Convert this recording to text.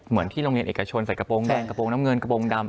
ที่โรงเรียนเอกชนใส่กระโปรงแดงกระโปรงน้ำเงินกระโปรงดำ